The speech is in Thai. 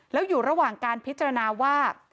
แล้วอยู่ระหว่างการพิจารณาว่า